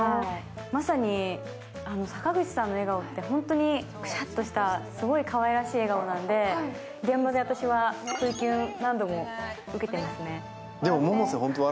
まさに坂口さんの笑顔って、ホントにくしゃっとしたかわいらしい笑顔なんで現場で私は不意キュン、何度も受けてますね。